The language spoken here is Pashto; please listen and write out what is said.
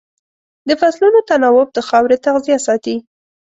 د فصلونو تناوب د خاورې تغذیه ساتي.